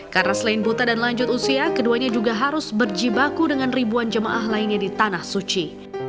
karena selain buta dan lanjut usia keduanya juga harus berjibaku dengan ribuan jamaah lainnya di tanah suci